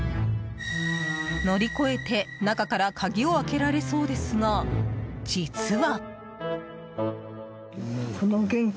乗り越えて中から鍵を開けられそうですが実は。